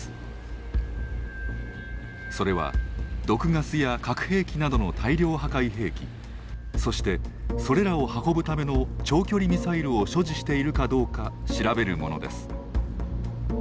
それは毒ガスや核兵器などの大量破壊兵器そしてそれらを運ぶための長距離ミサイルを所持しているかどうか調べるものです。